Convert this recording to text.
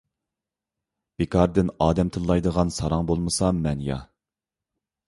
بىكاردىن ئادەم تىللايدىغان ساراڭ بولمىسام مەن-يا.